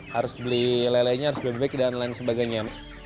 harus beli lele nya harus bebek dan lain sebagainya